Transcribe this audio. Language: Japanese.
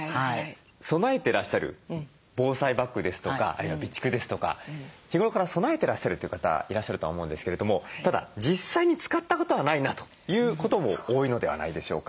備えてらっしゃる防災バッグですとかあるいは備蓄ですとか日頃から備えてらっしゃるという方いらっしゃるとは思うんですけれどもただ実際に使ったことはないなということも多いのではないでしょうか。